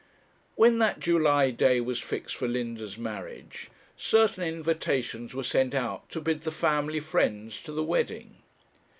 When that July day was fixed for Linda's marriage, certain invitations were sent out to bid the family friends to the wedding.